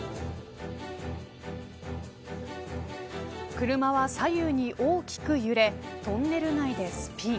車は左右に大きく揺れトンネル内でスピン。